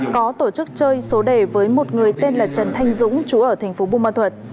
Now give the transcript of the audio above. có tổ chức chơi số đề với một người tên là trần thanh dũng chú ở tp bùa ma thuận